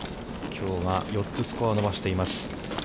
きょうは４つスコアを伸ばしています。